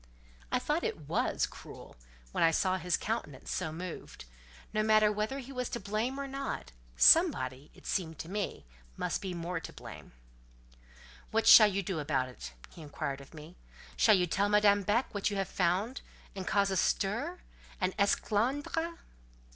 I thought it was cruel, when I saw his countenance so moved. No matter whether he was to blame or not; somebody, it seemed to me, must be more to blame. "What shall you do about it?" he inquired of me. "Shall you tell Madame Beck what you have found, and cause a stir—an esclandre?"